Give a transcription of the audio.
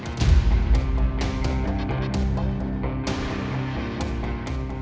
supaya gue bisa jadian